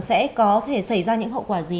sẽ có thể xảy ra những hậu quả gì